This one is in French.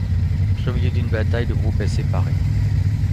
Pris au milieu d'une bataille, le groupe est séparé.